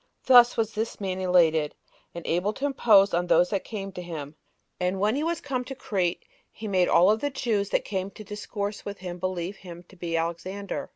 Thus was this man elated, and able to impose on those that came to him; and when he was come to Crete, he made all the Jews that came to discourse with him believe him [to be Alexander].